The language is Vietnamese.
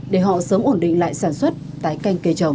để họ sớm ổn định lại sản xuất tái canh cây trồng